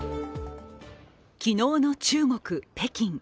昨日の中国・北京。